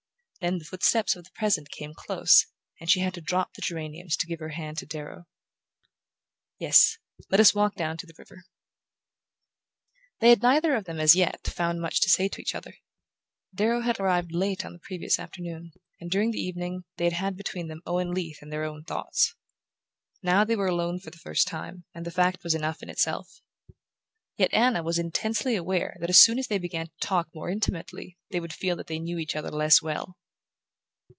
Then the footsteps of the present came close, and she had to drop the geraniums to give her hand to Darrow... "Yes, let us walk down to the river." They had neither of them, as yet, found much to say to each other. Darrow had arrived late on the previous afternoon, and during the evening they had had between them Owen Leath and their own thoughts. Now they were alone for the first time and the fact was enough in itself. Yet Anna was intensely aware that as soon as they began to talk more intimately they would feel that they knew each other less well.